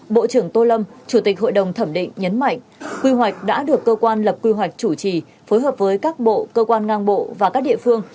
bộ trưởng tô lâm chủ tịch hội đồng thẩm định nhấn mạnh quy hoạch đã được cơ quan lập quy hoạch chủ trì phối hợp với các bộ cơ quan ngang bộ và các địa phương